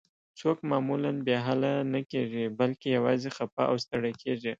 څوک معمولاً بې حاله نه کیږي، بلکې یوازې خفه او ستړي کیږي.